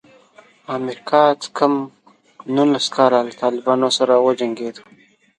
امریکا څه کم نولس کاله له طالبانو سره وجنګېده.